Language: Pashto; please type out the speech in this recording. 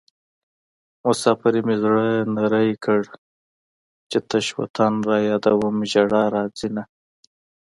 مسافرۍ مې زړه نری کړ چې تش وطن رايادوم ژړا راځينه